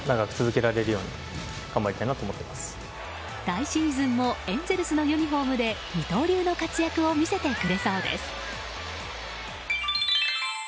来シーズンもエンゼルスのユニホームで二刀流の活躍を見せてくれそうです。